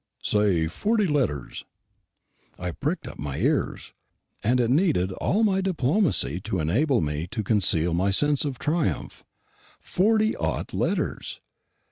"Say forty odd letters." I pricked up my ears; and it needed all my diplomacy to enable me to conceal my sense of triumph. Forty odd letters!